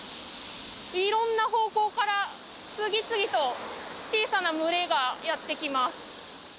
いろんな方向から次々と小さな群れがやって来ます。